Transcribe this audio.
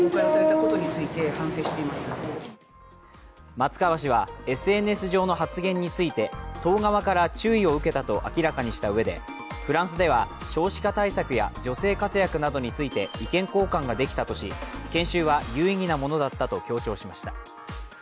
松川氏はＳＮＳ上の発言について党側から注意を受けたと明らかにしたうえでフランスでは少子化対策や女性活躍などについて意見交換ができたとし、研修は有意義なものだったと強調しました。